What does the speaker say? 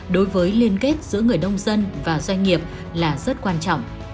đối với liên kết giữa người nông dân và doanh nghiệp là rất quan trọng